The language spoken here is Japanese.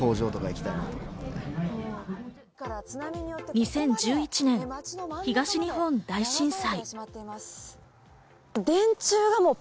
２０１１年、東日本大震災。